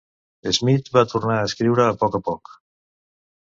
Smith va tornar a escriure a poc a poc.